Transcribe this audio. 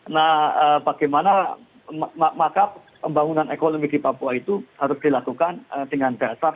nah bagaimana maka pembangunan ekonomi di papua itu harus dilakukan dengan dasar